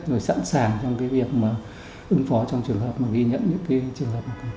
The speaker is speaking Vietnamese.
rồi sẵn sàng trong việc ứng phó trong trường hợp ghi nhận những trường hợp